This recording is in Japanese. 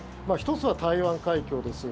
１つは台湾海峡です。